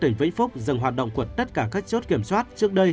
tỉnh vĩnh phúc dừng hoạt động của tất cả các chốt kiểm soát trước đây